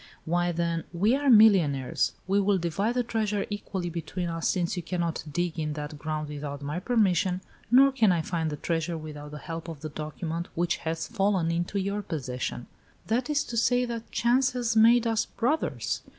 "Why, then, we are millionaires. We will divide the treasure equally between us, since you cannot dig in that ground without my permission, nor can I find the treasure without the help of the document which has fallen into your possession. That is to say, that chance has made us brothers.